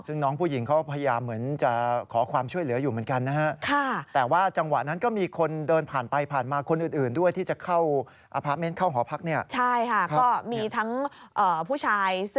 ซึ่งน้องผู้หญิงเขาพยายามเหมือนจะ